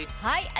はい。